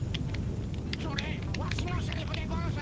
それワシのセリフでゴンス。